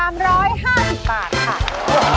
อ้าว